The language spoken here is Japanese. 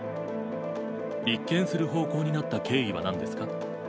立件する方向になった経緯はなんですか。